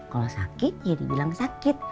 kalau sakit ya dibilang sakit